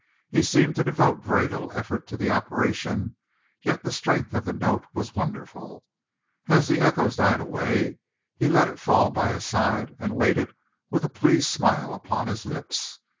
He seemed to devote very little effort to the operation, yet the strength of the note was wonderful. As the echoes died away, he let it fall by his side and waited with a pleased smile upon his lips.